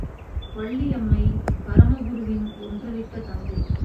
வள்ளியம்மை பரமகுருவின் ஒன்றுவிட்ட தங்கை.